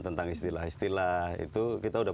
tentang istilah istilah itu kita sudah